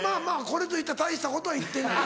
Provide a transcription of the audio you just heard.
これといった大したことは言ってない。